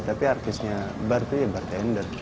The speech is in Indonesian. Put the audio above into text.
tapi artisnya bar itu ya bartender